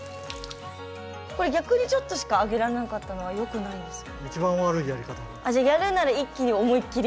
これ逆にちょっとしかあげられなかったのはよくないんですか？